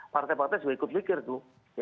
partai partai juga ikut zikir tuh